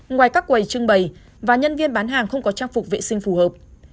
ngoài các quầy trưng bày và nhân viên bán hàng không có trang phục vệ sinh phù hợp